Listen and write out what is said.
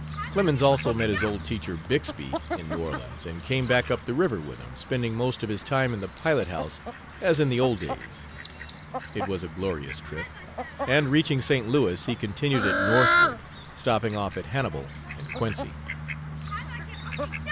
Clemens also met his old teacher Bixby in New Orleans, and came back up the river with him, spending most of his time in the pilot house, as in the old days. It was a glorious trip, and, reaching St. Louis, he continued it northward, stopping off at Hannibal and Quincy.'